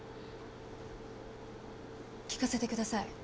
聞かせてください。